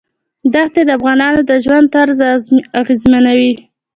دښتې د افغانانو د ژوند طرز اغېزمنوي.